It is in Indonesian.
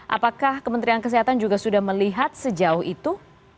apakah kementerian kesehatan juga sudah melihat sejauh itu